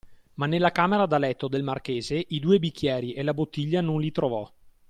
Ma nella camera da letto del marchese i due bicchieri e la bottiglia non li trovò.